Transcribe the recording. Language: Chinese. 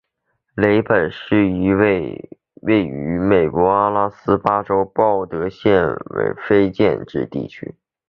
雷本是一个位于美国阿拉巴马州鲍德温县的非建制地区。